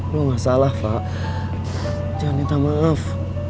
lu ga salah fak jangan minta maaf